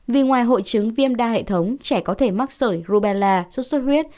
vì ngoài hội chứng viêm đa hệ thống trẻ có thể mắc sởi rubella sốt xuất huyết